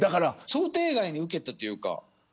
想定外にウケたというか。